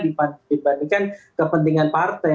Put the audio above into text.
dibandingkan kepentingan partai